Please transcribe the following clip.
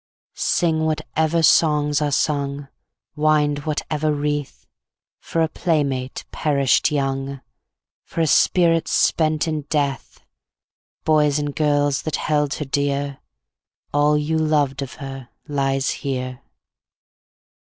Sing whatever songs are sung, Wind whatever wreath, For a playmate perished young, For a spirit spent in death. Boys and girls that held her dear, All you loved of her lies here.